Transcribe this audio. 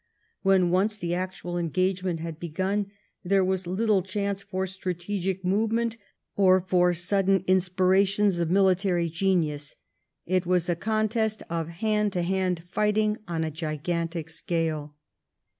When once the actual engagement had begun there was little chance for strategic movement or for sudden inspirations of military genius ; it was a contest of hand to hand fighting on a gigantic scale.